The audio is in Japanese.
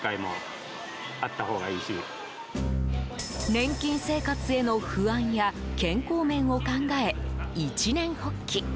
年金生活への不安や健康面を考え、一念発起！